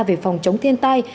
về phòng chống thiên tai